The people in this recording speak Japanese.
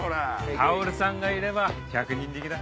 薫さんがいれば百人力だ。